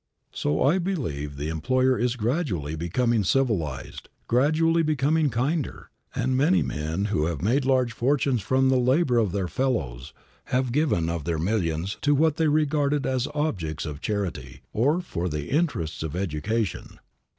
So, I believe the employer is gradually becoming civilized, gradually becoming kinder; and many men who have made large fortunes from the labor of their fellows have given of their millions to what they regarded as objects of charity, or for the interests of education.